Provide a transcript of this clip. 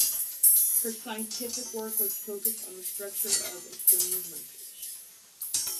Her scientific work was focused on the structure of Estonian language.